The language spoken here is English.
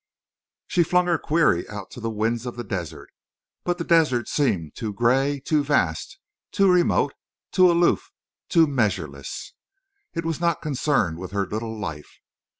_" She flung her query out to the winds of the desert. But the desert seemed too gray, too vast, too remote, too aloof, too measureless. It was not concerned with her little life.